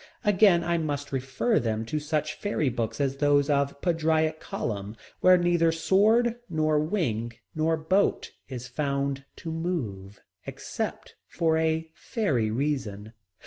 Again I must refer them to such fairy books as those of Padraic Colum, where neither sword nor wing nor boat is found to move, except for a fairy reason.